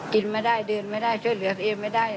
กินไม่ได้ดื่นไม่ได้ช่วยเหลือเอ็มไม่ได้